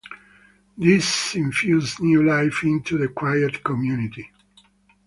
This infused new life into the quiet community.